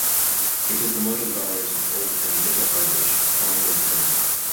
It is the modern variant of Old and Middle Irish: Find and Finn.